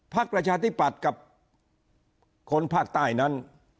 ประชาธิปัตย์กับคนภาคใต้นั้น